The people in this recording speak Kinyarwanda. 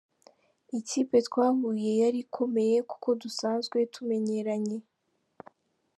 Ikipe twahuye yari ikomeye, kuko dusanzwe tumenyeranye.